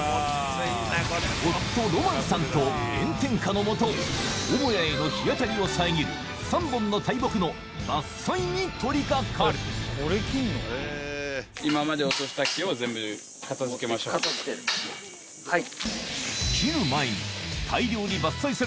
夫ロマンさんと炎天下の下母屋への日当たりを遮る３本の大木の伐採に取りかかる片付けるはい。